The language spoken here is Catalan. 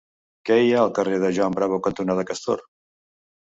Què hi ha al carrer Juan Bravo cantonada Castor?